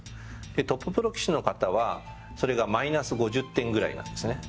トッププロ棋士の方はそれがマイナス５０点くらいなんです。